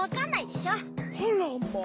あらまあ。